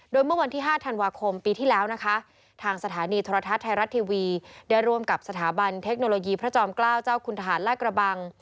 โดยเมื่อวันที่๕ธันวาคมปีที่แล้วนะคะทางสถานีโทรทัศน์ไทยรัฐทีวีได้ร่วมกับสถาบันเทคโนโลยีพระจอมเกล้าเจ้าคุณทหารลากระบัง